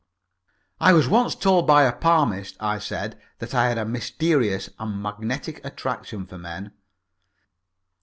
"I was once told by a palmist," I said, "that I had a mysterious and magnetic attraction for men."